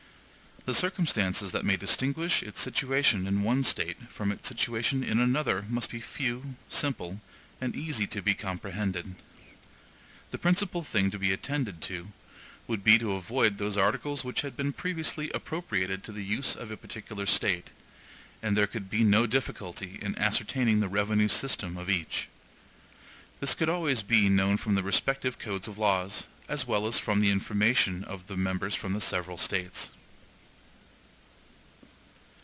The circumstances that may distinguish its situation in one State from its situation in another must be few, simple, and easy to be comprehended. The principal thing to be attended to, would be to avoid those articles which had been previously appropriated to the use of a particular State; and there could be no difficulty in ascertaining the revenue system of each. This could always be known from the respective codes of laws, as well as from the information of the members from the several States.